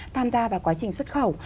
tham gia vào quá trình xuất khẩu